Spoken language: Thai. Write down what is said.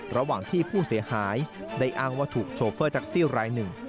ระหว่างที่ผู้เสียหายได้อ้างว่าถูกโชเฟอร์แท็กซี่รายหนึ่ง